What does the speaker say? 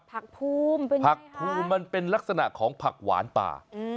ผักภูมิเป็นผักภูมิมันเป็นลักษณะของผักหวานป่า